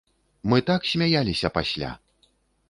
Мы так смяяліся пасля!